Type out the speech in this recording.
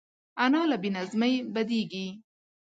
انا له بې نظمۍ بدېږي